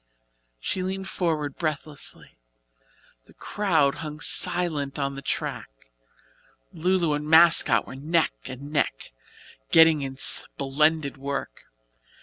She leaned forward breathlessly. The crowd hung silently on the track. "Lu Lu" and "Mascot" were neck and neck, getting in splendid work.